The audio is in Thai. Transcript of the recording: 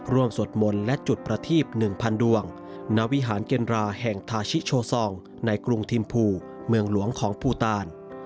ร่วมสวดมนตร์และจุดประทีบหนึ่งพันดวงนวิหารเกณฑาแห่งทาชิโชซองในกรุงทิมภูมิเมืองหลวงของพูตาน